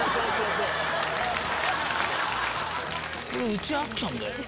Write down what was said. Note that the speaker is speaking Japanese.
うちあったんだよな。